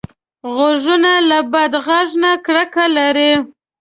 غوږونه له بد غږ نه کرکه لري